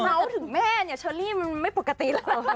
เราถึงแม่เฉลี่ยมันไม่ปกติเลย